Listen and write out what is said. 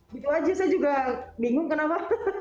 gitu aja saya juga bingung kenapa